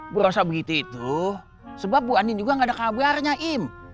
bu rosa begitu itu sebab bu andin juga gak ada kabarnya im